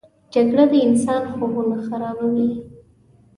جګړه د انسان خوبونه خرابوي